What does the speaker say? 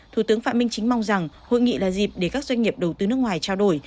thủ tướng phạm minh chính mong rằng hội nghị là dịp để các doanh nghiệp đầu tư nước ngoài trao đổi